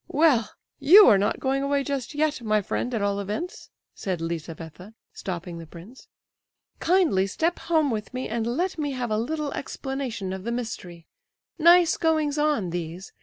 well, you are not going away just yet, my friend, at all events," said Lizabetha, stopping the prince. "Kindly step home with me, and let me have a little explanation of the mystery. Nice goings on, these!